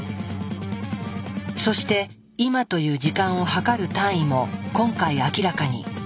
そして「今」という時間を計る単位も今回明らかに。